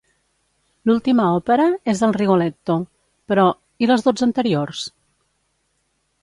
L'última òpera és el "Rigoletto", però ¿i les dotze anteriors?